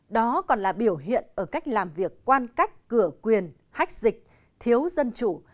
đó còn là biểu hiện ở cách làm việc quan cách cửa quyền hách dịch thiếu dân chủ